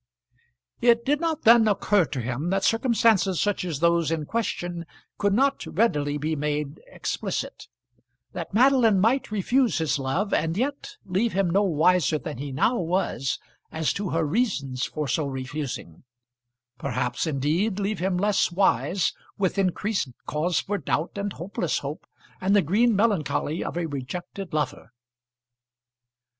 It did not then occur to him that circumstances such as those in question could not readily be made explicit; that Madeline might refuse his love, and yet leave him no wiser than he now was as to her reasons for so refusing; perhaps, indeed, leave him less wise, with increased cause for doubt and hopeless hope, and the green melancholy of a rejected lover.